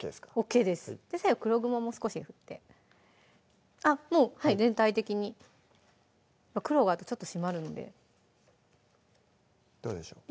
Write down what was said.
最後黒ごまも少しふってあっもう全体的に黒があるとちょっと締まるんでどうでしょう？